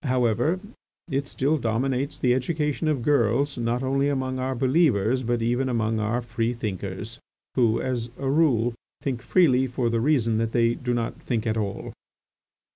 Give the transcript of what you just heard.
However, it still dominates the education of girls not only among our believers, but even among our free thinkers, who, as a rule, think freely for the reason that they do not think at all.